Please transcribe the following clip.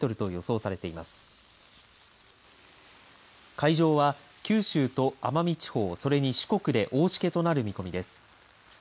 海上は、九州と奄美地方それに四国で大しけとなる見込みです。